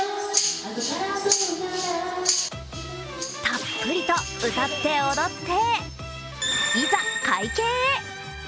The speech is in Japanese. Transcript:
たっぷりと歌って踊って、いざ会計へ。